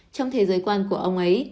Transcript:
trong thế giới quan của ông ấy